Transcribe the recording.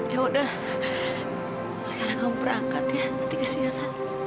yaudah sekarang kamu berangkat ya nanti ke siang